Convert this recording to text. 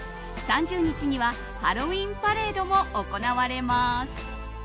３０日にはハロウィーンパレードも行われます。